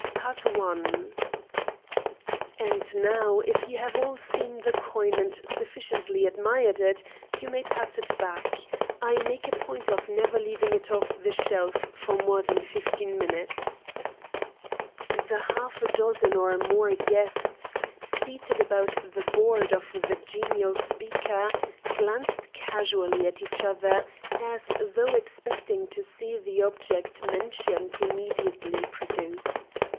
THE THIEF "And now, if you have all seen the coin and sufficiently admired it, you may pass it back. I make a point of never leaving it off the shelf for more than fifteen minutes." The half dozen or more guests seated about the board of the genial speaker, glanced casually at each other as though expecting to see the object mentioned immediately produced.